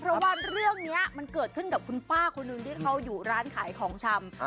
เพราะว่าเรื่องนี้มันเกิดขึ้นกับคุณป้าคนหนึ่งที่เขาอยู่ร้านขายของชำ